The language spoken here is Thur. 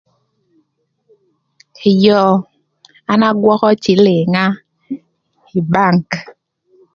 Ëyö an agwökö cïlïngna ï bang.